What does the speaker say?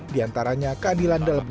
di antaranya keadilan dalam persidangan